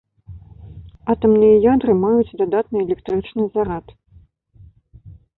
Атамныя ядры маюць дадатны электрычны зарад.